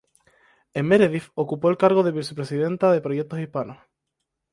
En Meredith, ocupó el cargo de vicepresidenta de proyectos hispanos.